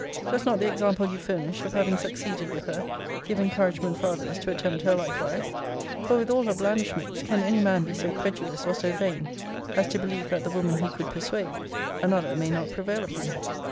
Does not the example you furnish, of having succeeded with her, give encouragement for others to attempt her likewise? For with all her blandishments, can any man be so credulous, or so vain, as to believe, that the woman he could persuade, another may not prevail upon?